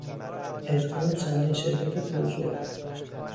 ادغام چندین شرکت بزرگ